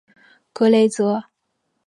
格雷泽。